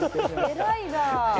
偉いなあ。